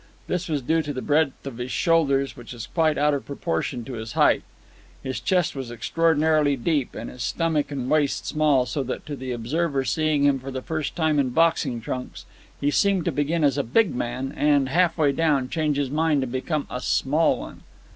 This was due to the breadth of his shoulders, which was quite out of proportion to his height. His chest was extraordinarily deep, and his stomach and waist small, so that to the observer seeing him for the first time in boxing trunks, he seemed to begin as a big man and, half way down, change his mind and become a small one.